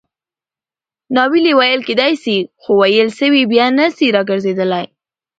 ناویلي ویل کېدای سي؛ خو ویل سوي بیا نه سي راګرځېدلای.